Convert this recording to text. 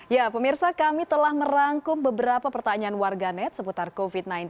ya pemirsa kami telah merangkum beberapa pertanyaan warganet seputar covid sembilan belas